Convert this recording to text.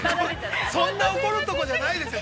◆そんな怒るとこじゃないですよ。